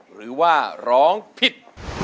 หรือว่าร้องผิด